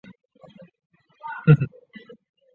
晚秋易受北方平原南下的寒潮影响。